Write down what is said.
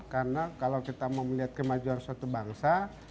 karena kalau kita mau melihat kemajuan suatu bangsa